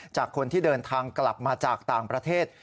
จากคนที่เดินทางกลับมาจากต่างประเทศ